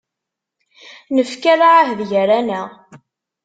Nefka lɛahed gar-aneɣ.